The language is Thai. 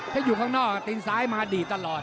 ถ้าอยู่ข้างนอกตีนซ้ายมาดีตลอด